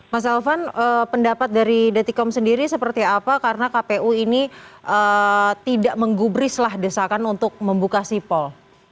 mas alvan pendapat dari daticom sendiri seperti apa karena kpu ini tidak menggubrislah desakan untuk membuka sipol